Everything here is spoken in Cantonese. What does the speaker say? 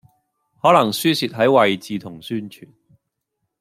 可能輸蝕喺位置同宣傳